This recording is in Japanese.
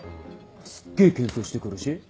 すっげぇ牽制してくるし